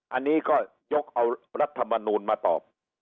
อันนี้ก็ยกเอารัฐมนูลมาตอบ